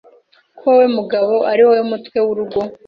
ko wowe mugabo ari wowe mutwe w’urugo